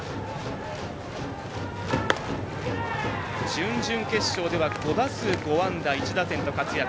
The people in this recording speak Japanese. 準々決勝では５打数５安打１打点と活躍。